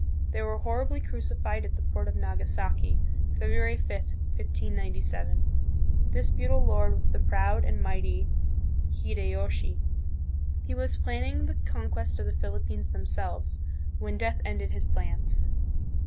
They were horribly crucified at the port of Nagasaki, February 5, 1597. This feudal lord was the proud and mighty Hideyoshi. He was planning the conquest of the Philippines themselves, when death ended his plans.